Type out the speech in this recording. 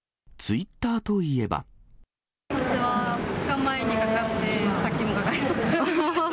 私は２日前にかかって、さっきもかかりました。